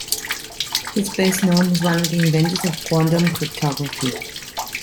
He is best known as one of the inventors of quantum cryptography.